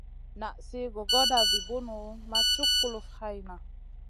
Nan sli gogoda vi bunu ma cuk kulufn hayna.